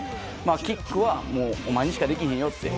キックはお前にしかできへんよって。